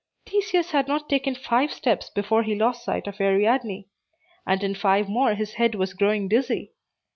Theseus had not taken five steps before he lost sight of Ariadne; and in five more his head was growing dizzy.